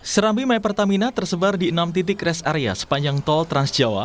serambi mypertamina tersebar di enam titik rest area sepanjang tol transjawa